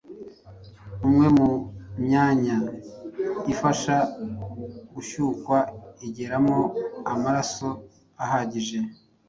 umwe mu myanya ibafasha gushyukwa igeramo amaraso ahagije